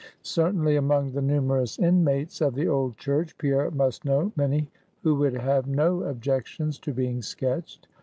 Certainly, among the numerous inmates of the old Church, Pierre must know many who would have no objections to being sketched.